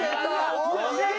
惜しい！